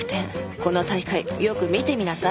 この大会よく見てみなさい。